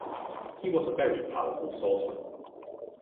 He was a very powerful swordsman.